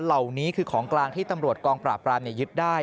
เหล่านี้คือของกลางที่ตำรวจกองปราบรามยึดได้